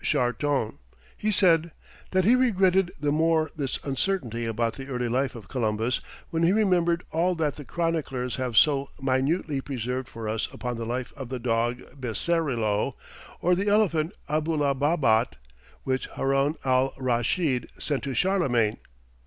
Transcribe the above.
Charton; he said, "that he regretted the more this uncertainty about the early life of Columbus when he remembered all that the chroniclers have so minutely preserved for us upon the life of the dog Becerillo, or the elephant Aboulababat, which Haroun al Raschid sent to Charlemagne!"